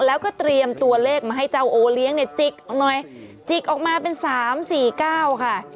แล้วก็เตรียมตัวเลขมาให้เจ้าโอเลี้ยงจิกออกมาเป็น๓๔๙ค่ะ